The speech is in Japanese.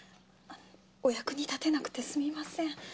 お役に立てなくてすみません。